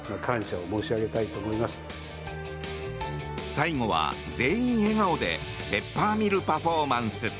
最後は、全員笑顔でペッパーミル・パフォーマンス。